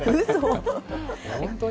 本当に？